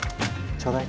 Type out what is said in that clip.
ちょうだい。